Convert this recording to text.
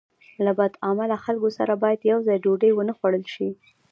له بد عمله خلکو سره باید یوځای ډوډۍ ونه خوړل شي.